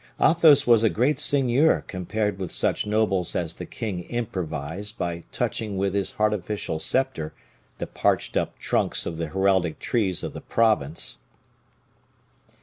Athos was a great seigneur compared with such nobles as the king improvised by touching with his artificial scepter the patched up trunks of the heraldic trees of the province.